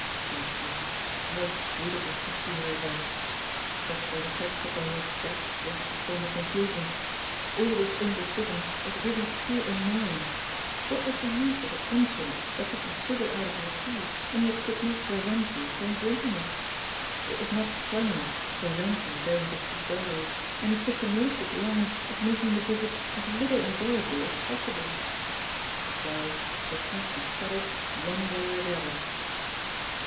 But ah, how sweet it was to see her again! Such were the facts upon which Jack wished to form a conclusion. All this indecision was really too annoying. What was the use of a conscience that took the sugar out of your tea, and yet could not prevent you from drinking it? It was not strong enough to prevent him going to see Dodo, and it took the malicious line of making the visit as little enjoyable as possible. Well, it must be settled one way or the other.